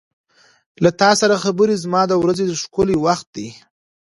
• له تا سره خبرې زما د ورځې ښکلی وخت دی.